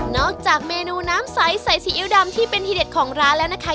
จากเมนูน้ำใสใส่ซีอิ๊วดำที่เป็นทีเด็ดของร้านแล้วนะคะ